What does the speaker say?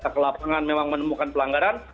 ke lapangan memang menemukan pelanggaran